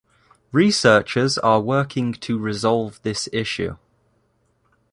Researchers are working to resolve this issue.